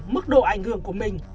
mức độ ảnh hưởng của mình